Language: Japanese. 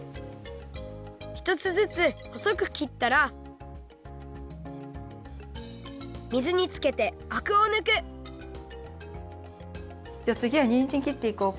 １つずつほそくきったら水につけてアクをぬくじゃあつぎはにんじんきっていこうか。